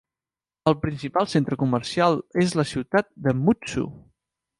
El principal centre comercial és la ciutat de Mutsu.